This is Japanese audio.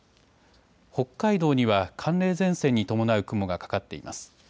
北海道には寒冷前線に伴う雲がかかっています。